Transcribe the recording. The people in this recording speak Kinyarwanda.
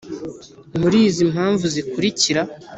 muri izi mpamvu zikurikira